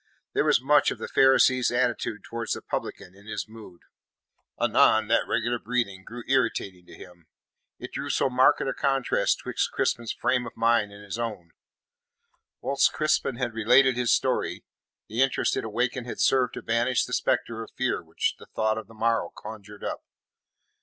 There was much of the Pharisee's attitude towards the publican in his mood. Anon that regular breathing grew irritating to him; it drew so marked a contrast 'twixt Crispin's frame of mind and his own. Whilst Crispin had related his story, the interest it awakened had served to banish the spectre of fear which the thought of the morrow conjured up.